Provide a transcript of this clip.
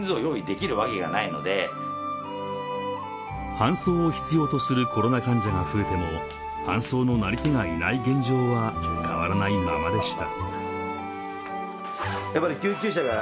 搬送を必要とするコロナ患者が増えても搬送のなり手がいない現状は変わらないままでした